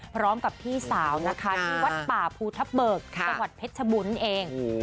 พร้อมกับพี่สาวนะคะวัดป่าภูทะเบิกสวรรค์เพชรบุญเอง